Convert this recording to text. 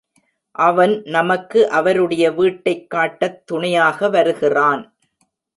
அவன் நமக்கு அவருடைய வீட்டைக் காட்டத் துணையாக வருகிறான்.